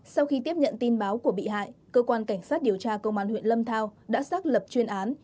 sau khi tiếp nhận tin báo của bị hại cơ quan cảnh sát điều tra công an huyện lâm thao đã xác lập chuyên án